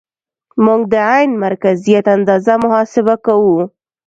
موږ د عین مرکزیت اندازه محاسبه کوو